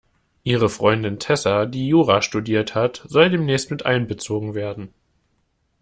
Ihre Freundin Tessa, die Jura studiert hat, soll demnächst miteinbezogen werden.